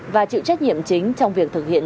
và chịu trách nhiệm chính trong việc thực hiện